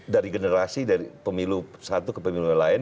dari generasi dari pemilu satu ke pemilu yang lain